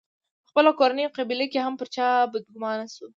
په خپله کورنۍ او قبیله کې هم پر چا بدګومان شو.